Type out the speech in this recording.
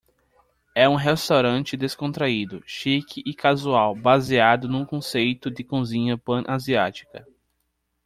É um restaurante descontraído, chique e casual baseado num conceito de cozinha Pan-Asiática.